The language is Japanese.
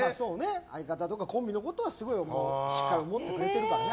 相方とかコンビのことをしっかり思ってくれてるからね